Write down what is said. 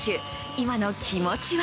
今の気持ちは？